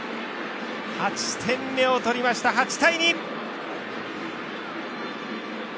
８点目を取りました、８対２！